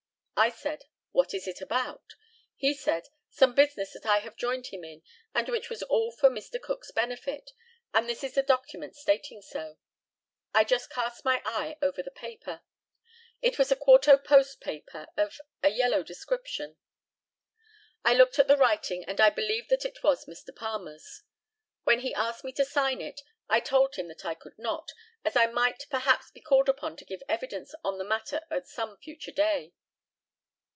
I said, "What is it about?" He said, "Some business that I have joined him in, and which was all for Mr. Cook's benefit; and this is the document stating so." I just cast my eye over the paper. It was a quarto post paper of a yellow description. I looked at the writing, and I believed that it was Mr. Palmer's. When he asked me to sign it I told him that I could not, as I might perhaps be called upon to give evidence on the matter at some future day.